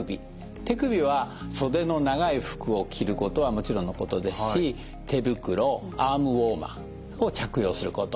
手首は袖の長い服を着ることはもちろんのことですし手袋アームウオーマーを着用すること。